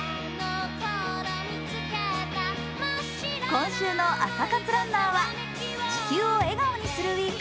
今週の朝活ランナーは、「地球を笑顔にするＷＥＥＫ」